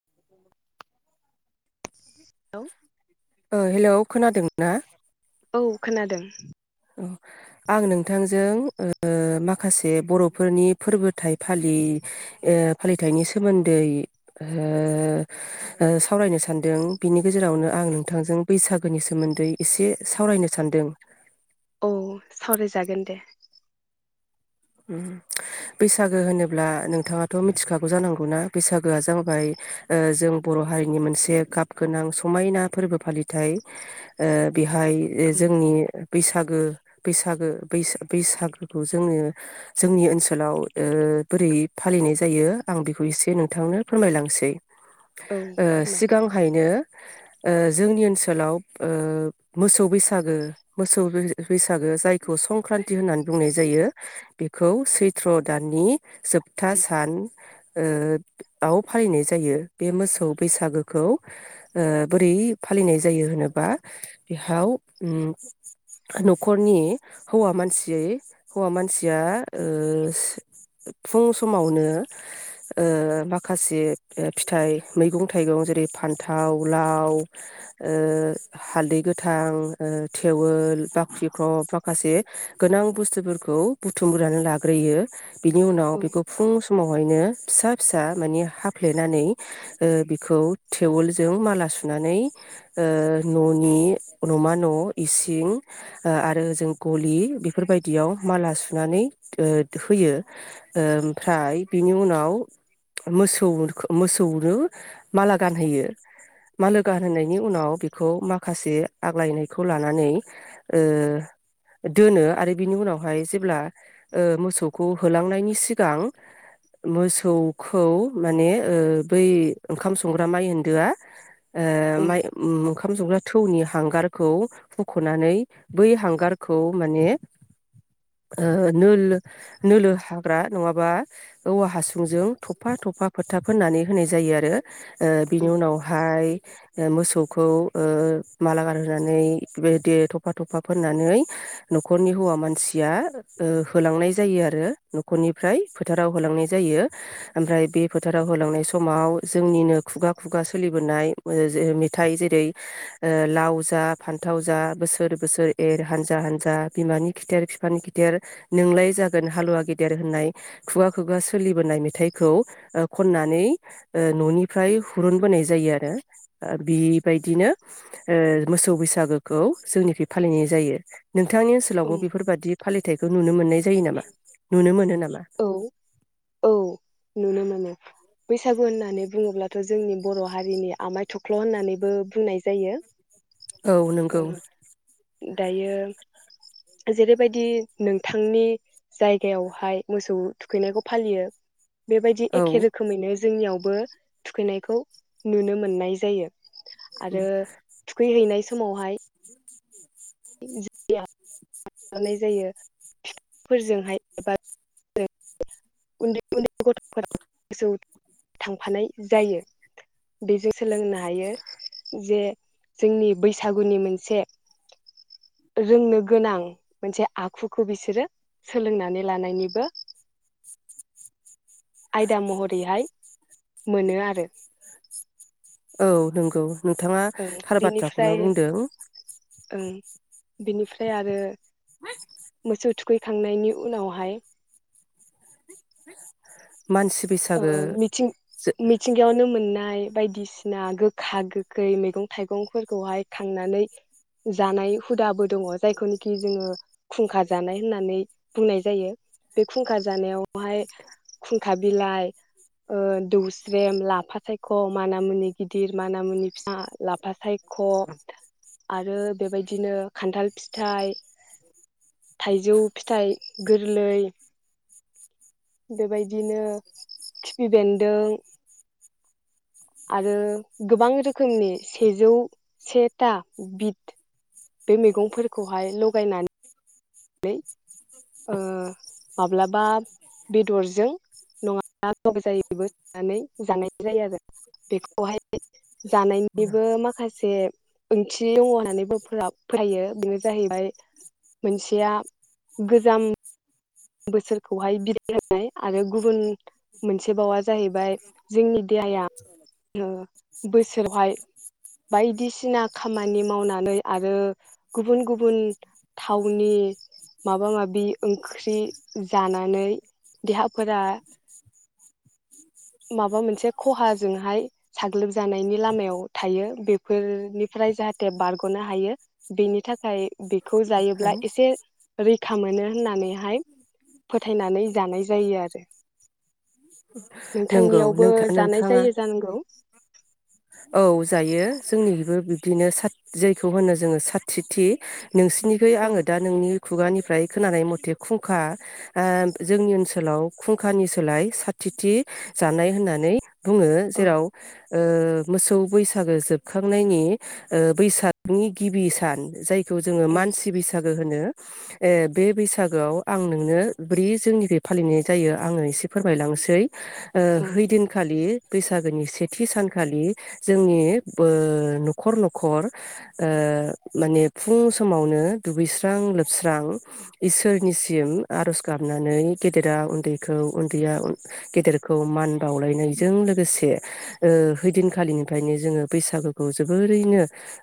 उ [unintelligible] hello ओ hello खोनादों ना? औ खोनादों । अ नोंथांजों ओ माखासे बर'फोरनि फोरबोथाय फालि ओ फालिथायाइनि सोमोन्दै ओ सावरायनो सानदों बिनि गेजेरावनो आं नोंथांजों बैसागोनि सोमोन्दै एसे सावरायनो सान्दों । औ सावरायजागोन दे । ओम बैसागो होनोब्ला नोंथाङाथ' मिथिखागौ जानांगौना बैसागोआ जाबाय ओ जों बर' हारिनि मोनसे गाब गोनां समायना फोरबो फालिनाय ओ बे हाय ओ ओं जोंनि बैसागो बैसागो बैसा बैसा बैसागोखौ जोङो जोंनि ओनसोलाव ओ बोरै फालिनाय जायो आं बेखौ एसे नोंथांनो फोरमायलांसै ।। औ ओ फोरमाय सिगांहायनो ओ जोंनि ओनसोलाव ओ मोसौ बैसागो मोसौ बैसागो जायखौ संक्रान्ति होननानै बुंनाय जायो । बेखौ सैथ्र' दाननि जोबथा औ सान ओ आव फालिनाय जायो बे मोसौ बैसागोखौ ओ बोरै फालिनाय जायो होनोबा बेहाव ओम न'खरनि हौवा मानसियै हौवा मानसिया ओ फुं समावनो ओ माखासे ओ फिथाइ मैगं थाइगं जेरै फान्थाव लाव ओ हालदै गोथां ओ थेवोल बाख्रिख्रप माखासे गोनां बुस्थुफोरखौ खौ बुथुमग्रोनै लाग्रोयो । बिनि उनाव औ बेखौ फुं सम समावहायनो फिसा फिसा माने हाफ्लेनानै ओ बिखौ थेवलजों माला सुनानै ओ न'नि न'मा न' इसिं आरोओजों गलि बेफोरबायदियाव माला सुनानै ओ होयो ओमफ्राय बिनि उनाव मोसौ मोसौनो माला गानहोयो मालो गानहोनायनि उनाव बेखौ माखासे आग्लायनायखौ लानानै ओ दोनो आरो बिनि उनाव बेहाय जेब्ला ओ मोसौखौ होलांनायनि सिगां मोसौखौ माने ओ बै ओंखाम संग्रा माइ होनदोआ ओ औ माइ ओंखाम जंग्रा थौनि हांगारखौ हुख'नानै बै हांगारखौ माने ओ नो नोल हाग्रा नङाबा औवा हासुंजों थफा थफा फोथा फोननानै होनाय जायो आरो ओ बिनि उनावहाय ओ मोसौखौ ओ माला गारहोनानै बेदि थफा थफा फोननानै न'खरनि हौवा मान मानसिया ओ होलांनाय जायो आरो न'खरनिफ्राय फोथाराव होलांनाय जायो ओमफ्राय बे फोथाराव होलांनाय समाव जोंनिनो खुगा खुगा सोलिबोनाय मेथाइ जेरै लाव जा फान्थाव जा बोसोर बोसोर एर हानजा हानजा बिमानि खिथेर बिफानि खिथेर नोंलाय जागोन हालुवा गेदेर होननाय खुगा खुगा सोलिबोनाय मेथाइखौ खननानै न'निफ्राय हुरुनबोनाय जायो आरो बिबायदिनो मोसौ बैसागोखौ जोंनिफ्राय फालिनाय जायो । नोंथांनि ओनसाव औ बेफोर बिदि फालिथायाइखौ नुनो मोननाय जायो नामा नुनो मोनो नामा? औ औ। नुनो मोनो बैसागु होननानै बुङोब्लाथ' जोंनि बर' हारिनि आमाय थख्ल' होननानैबो बुंनाय जायो। औ नंगौ। दायो जेरैबायदि नोंथांनि जायगायावहाय मोसौ थुखैनायखौ फालियो। बेबायदि औ एखे रोखोमैनो। जोंनियावबो थुखैनायखौ नुनो मोननाय जायो। आरो थुखैहैनाय सम समावहाय। नाय जायो बिफांफोरजोंहाय एबा उन्दै उन्दै गथ'फोरा गोसौ थांफानाय जायो बेजों सोलोंनो हायो जे जोंनि बैसागुनि मोनसे रोंनो गोनां मोनसे आखुखौ बिसोरो सोलोंनानै लानायनिबो आयदा महरैहाय मोनो आरो। औ नंगौ। नोंथाङा ओं थार बिनिफ्राय बाथ्राखौनो बुंदों। ओं बिनिफ्राय आरो गोसौ थुखैखांनायनि उनावहाय हो औ मिथिं मिथिंगायावनो मोन नाय बायदिसिना गोखा गोखै मैगं थाइगंफोरखौहाय खांनानै जानाय हुदाबो दङ जायखौनिखि जोङो खुंखा जानाय होननानै बुंनाय जायो बे खुंखा जानायावहाय खुंखा बिलाइ ओ दौस्रेम लाफा सायख' मानामुनि गिदिर मानामुनि फि लाफा सायख' आरो बेबायदिनो खान्थाल फिथाइ थाइजौ फिथाइ गोरलै। बेबायदिनो खिफि बेन्दों। आरो गोबां रोखोमनि सेजौ सेथा बिद। बे मैगंफोरखौहाय लगायनानै ओ माब्लाबा बेदरजों नङाब्ला लजायबो सनानै जानाय जायो आरो बेखौहाय जानायनिबो माखासे ओंथि दङ होननानैबो फरायो बेनो जाहैबाय मोनसे। खया गोजाम बोसोरखौहाय बिदाय होनाय आरो गुबुन मोनसे बावा जाहैबाय जोंनि देहाया बोसोरावहाय बायदिसिना खामानि मावनानै आरो गुबुन गुबुन थावनि माबा माबि ओंख्रि जानानै देहाफोरा माबा मोनसे खहा खौ जायोब्ला एसे रैखा मोनो होननानैहाय फोथायनानै जानाय जायो आरो। नंगौ नोंथांनियावबो नोंथा जानाय नोंथाङा जायो जानांगौ। औ जायो जोंनिबो बिब्दिनो साथ जायखौ होनो जोङो साथिथि। नोंसिनिखै‌ ओं आङो दा नोंनि खुगानिफ्राय खोनानाय मथे खुंखा जोंनि ओनसोलाव खुंखानि सोलाय साथिथि जानाय होननानै। बुङो औ जेराव ओ मोसौ बैसागो जोबखांनायनि बैसागनि गिबि सान जाय खौ जोङो ओं मानसि बैसागो होनो। ए बे बैसागोआव आं नोंनो ब्रै जोंनिफ्राय फालिनाय जायो आङो एसे फोरमायलांसै ओ औ हैदिनखालि बैसागोनि सेथि सानखालि जोंनि बो- न'खर न'खर ओ माने फुं समावनो दुगैस्रां लोबस्रां इसोरनिसिम आरज गाबनानै गेदेरा उन्दैखौ उन्दैया गेदेरखौ मान बावलायनायजों लोगोसे ओ हैदिन आखालिनिफ्रायनो जोङो बैसागोखौ जोबोरैनो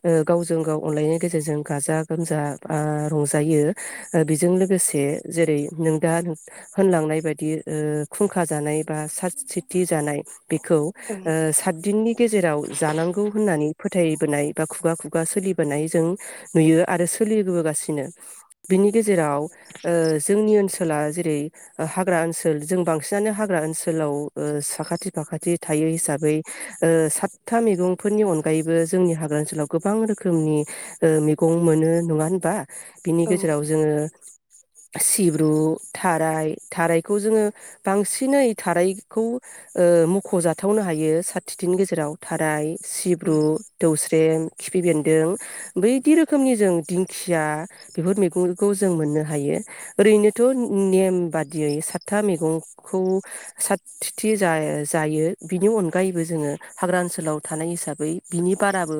ओ गावजों गाव अनलायनायनि गेजेरजों गाजा गोमजा आ रंजायो ओ बेजों लोगोसे जेरै नों दा होनलांनाय बायदि ओ खुंखा जानाय बा सात तिथि जानाय। बेखौ ओ ओं सातदिननि गेजेराव जानांगौ होन्नानै फोथायबोनाय बा खुगा खुगा सोलिबोनाय जों नुयो आरो सोलिबोबोगासिनो बिनि गेजेराव ओ जोंनि ओनसोला जेरै हाग्रा ओनसोल जों बांसिनानो हाग्रा ओनसोलाव ओ साखाथि फाखाथि थायो हिसाबै ओ सातथा मैगंफोरनि अनगायैबो जोंनि हाग्रा ओनसोलाव गोबां रोखोमनि ओ मैगं मोनो नङा होनबा? बिनि औ गेजेराव जोङो सिब्रु थाराय थारायखौ जोङो बांसिनै थारायखौ ओ मख'जाथावनो हायो खाथिनि गेजेराव थाराय सिब्रु, दौस्रम खिफि बेन्दों बैदि रोखोमनि जों दिंखिया बेफोर मैगंखौ जों मोननो हायो। ओरैनोथ' नेम बादियै सातथा मैगंखौ साथि जाय-जायो बिनि अनगायैबो जो ङो हाग्रा ओनसोलाव थानाय हिसाबै बिनि बाराबो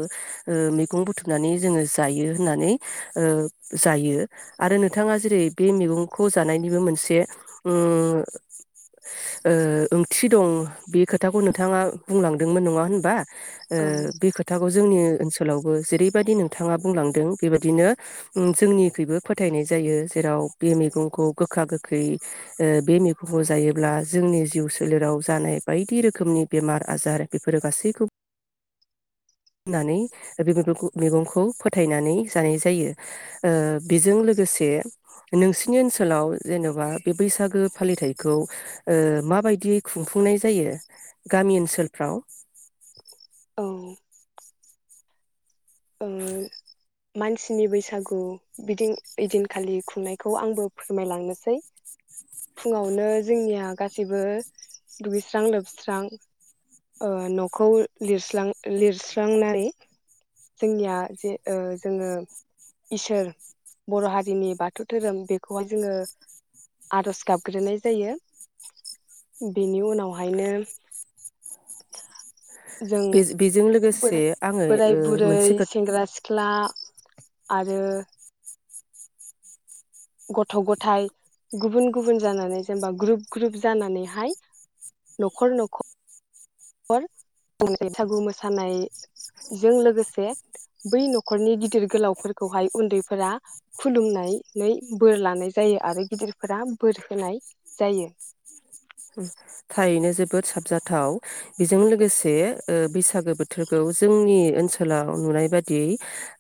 ओ मैगं बुथुमनानै जोङो जायो होननानै ओ जायो आरो नोंथाङा जेरै बे मैगंखौ जानायनिबो मोनसे ओ ओ ओंथि दं बे खोथाखौ नोंथाङा बुंलांदोंमोन नङा होनबा? ओ औ बे खोथाखौ जोंनि ओनसोलावबो जेरैबायाददि नोंथाङा बुंलांदों बेबायदिनो उम जोंनिखुबो फोथायनाय जायो जेराव बे मैगंखौ गोखा गोखै ओ बे मैगंखौ जायोब्ला जोंनि जिउ सोलेराव जानाय बायदि रोखोमनि बेमार बजार बेफोरो गासैखौबो फनानै बे मेगंखु- मेगंखौ फोथायनानै जानाय जायो। ओ बेजों लोगोसे नोंसिनि ओनसोलाव जेन'बा बे बैसागो फालिथायखौ ओ माबायदियै खुंफुंनाय जायो गामि ओनसोलफ्राव? औ ओ मानसिनि बैसागु बिदि ओइ दिनखालि खुंनायखौ आंबो फोरमायलांनोसै। फुङावनो जोंनिया गासैबो दुगैस्रां लोबस्रां ओ न'खौ लिलस्रां- लिरस्रांनानै जोंनिया जे ओ जोङो इसोर बर' हारिनि बाथौ धोरोम बेखौहाय जोङो आर'ज गाबग्रोनाय जायो। बेनि उनावहायनो [inaudible] बे बेजों लोगोसे आङो ओ दैै मोनसे खोथा सेंग्रा सिख्ला आ आरो गथ' गथाय गुबुन गुबुन जानानै जेनबा ग्रुप ग्रुप जानानैहाय न'खर न'ख र बैसागु मोसानाय जों लोगोसे बै नखरनि गिदिर गोलावफोरखौहाय उन्दैफोरा खुलुमनायनै बोर लानाय जायो आरो गिदिरफोरा बोर होनाय जायो। थारैनो जोबोद साबजाथाव बेजों लोगोसे ओ बैसागो बोथोरखौ जोंनि ओनसोलाव नुनाय बादियै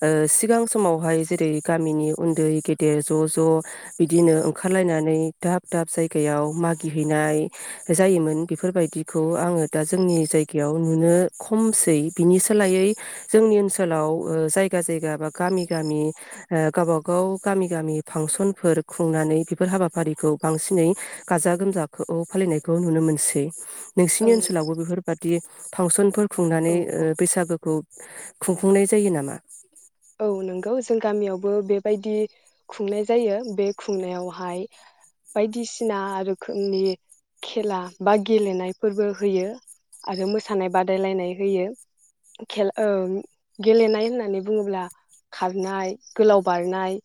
ओ सिगां समावहाय जेरै गामिनि उन्दै गेदेर ज' ज' बिदिनो ओंखारलायनानै दाब दाब जायगायाव मागिहैनाय जायोमोन बेफोरबायदिखौ आङो दा जोंनि जायगायाव नुनो खमसै बिनि सोलायै जोंनि ओनसोलाव ओ जायगा जायगा बा गामि गामि ओ गावबा गाव गामि गामि फांसनफोर खुंनानै बेफोर हाबाफारिखौ बांसिनै गाजा गोमजाखौ फालिनायखौ नुनो मोनसै। नोंसिनि ओं ओनसोलावबो बेफोरबादि फांसनफोर औ खुंनानै ओ औ बैसागोखौ खुंफुंनाय जायो नामा? औ नंगौ जों गामियावबो बेबायदि खुंनाय जायो बे खुंनायावहाय बायदिसिना रोखोमनि खेला बा गेलेनायफोरबो होयो आरो मोसानाय बादायलायनाय होयो खेल ओ गेलेनाय होननानै बुङोब्ला खारनाय गोलाव बारनाय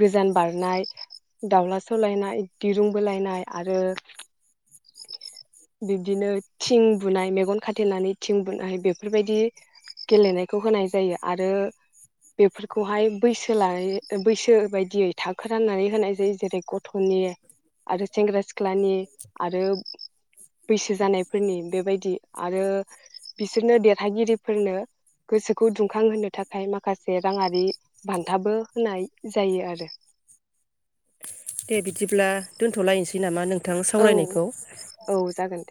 गोजान बारनाय दावला सौलायनाय दिरुं बोलायनाय आरो [inaudible] बिब्दिनो थिं बुनाय मेगन खाथेनानै थिं बुनाय बेफोरबायदि गेलेनायखौ होनाय जायो आरो बेफोरखौहाय बैसो लानाय बैसो बायदियै थाखो राननानै होनाय जायो जेरै गथ'नि आरो सेंग्रा सिख्लानि आरो, बैसो जानायफोरनि बेबायदि आरो बिसोरनो देरहागिरिफोरनो गोसोखौ दुंखांहोनो थाखाय माख खासे राङारि बान्थाबो होनाय जायो आरो। दे बिदिब्ला दोनथ'लायनोसै नामा नों थां औ सावरायनायखौ? औ जागोन दे